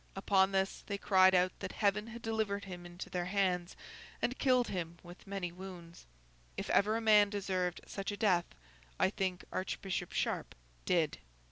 Upon this they cried out that Heaven had delivered him into their hands, and killed him with many wounds. If ever a man deserved such a death, I think Archbishop Sharp did.